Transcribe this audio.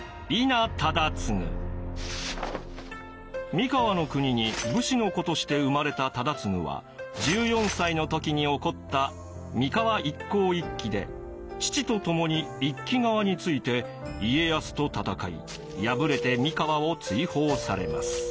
三河国に武士の子として生まれた忠次は１４歳の時に起こった三河一向一揆で父と共に一揆側について家康と戦い敗れて三河を追放されます。